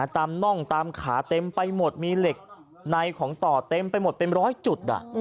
น่องตามขาเต็มไปหมดมีเหล็กในของต่อเต็มไปหมดเป็นร้อยจุด